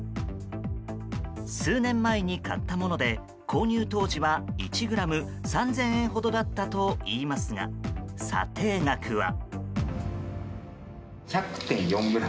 数年前に買ったもので購入当時は１ｇ３０００円ほどだったといいますが、査定額は。